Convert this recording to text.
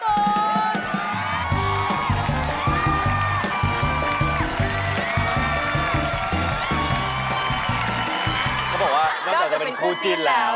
เขาบอกว่านอกจากจะเป็นคู่จิ้นแล้ว